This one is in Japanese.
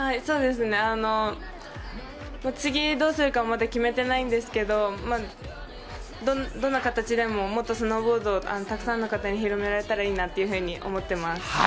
次どうするかまだ決めていないんですけどどんな形でも、もっとスノーボードをたくさんの方に広められたらいいなと思っています。